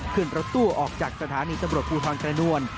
ขึ้นรถตู้ออกจากสถานีตำรวจภูทรกระนวล